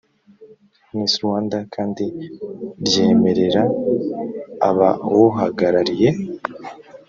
ans rwanda kandi ryemerera abawuhagarariye